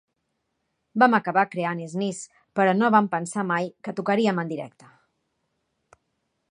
Vam acabar creant Sneeze, però no vam pensar mai que tocaríem en directe.